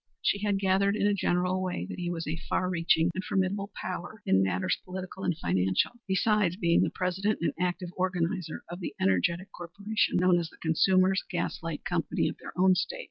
She had gathered in a general way that he was a far reaching and formidable power in matters political and financial, besides being the president and active organizer of the energetic corporation known as the Consumers' Gas Light Company of their own state.